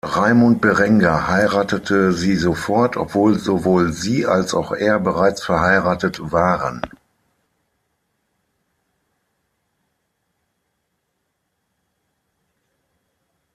Raimund Berengar heiratete sie sofort, obwohl sowohl sie als auch er bereits verheiratet waren.